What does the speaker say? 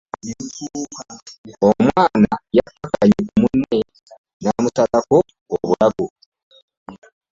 Omwana yakkakkanye ku munne n'amusalako obulago.